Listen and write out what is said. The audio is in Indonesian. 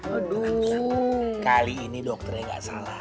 aduh kali ini dokternya gak salah